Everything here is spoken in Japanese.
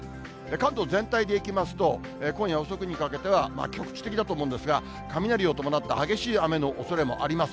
関東全体でいきますと、今夜遅くにかけては局地的だと思うんですが、雷を伴った激しい雨のおそれもあります。